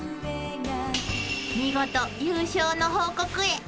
［見事優勝の報告へ］